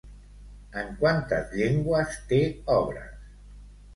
En quantes llengües té obres?